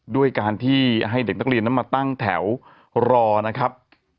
ด้วยการที่ให้เด็กนักเรียนนั้นมาตั้งแถวรอนะครับ